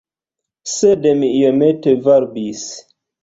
Sed mi iomete varbis.